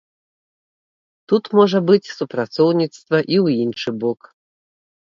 Тут можа быць супрацоўніцтва і ў іншы бок.